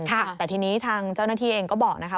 แต่ทีนี้ทางเจ้าหน้าที่เองก็บอกนะคะ